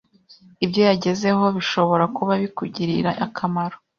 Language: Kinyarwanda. ibyo yagezeho bishobora kuba bikugirira akamaro